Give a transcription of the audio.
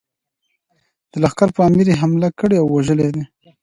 د لښکر پر امیر یې حمله کړې او وژلی دی.